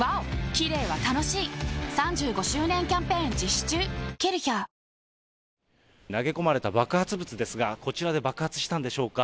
うちのごはんキッコーマン投げ込まれた爆発物ですが、こちらで爆発したんでしょうか。